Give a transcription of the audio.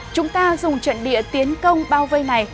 chúng ta dùng trận địa tiến công bao vây này